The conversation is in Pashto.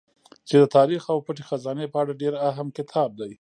چې د تاريڅ او پټې خزانې په اړه ډېر اهم کتاب دی